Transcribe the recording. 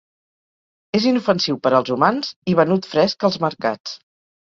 És inofensiu per als humans i venut fresc als mercats.